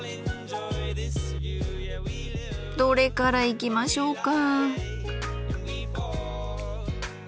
どれからいきましょうか。